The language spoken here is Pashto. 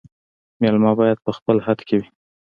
مېلمه باید په خپل حد کي وي